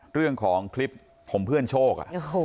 เรื่องของคลิปผมเพื่อนโชค